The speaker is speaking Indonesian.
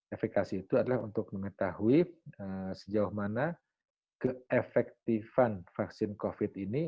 efekasi itu adalah untuk mengetahui sejauh mana keefektifan vaksin covid ini